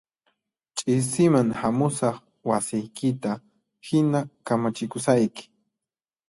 Ch'isiman hamusaq wasiykita hina kamachikusayki